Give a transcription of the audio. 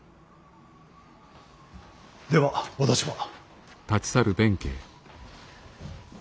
では私は。